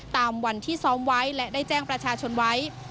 ตามวันที่ซ้อมไว้และได้แจ้งประชาชนไว้